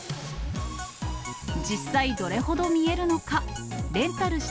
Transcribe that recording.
実際、どれほど見えるのか。